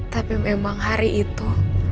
tapi memang hari itu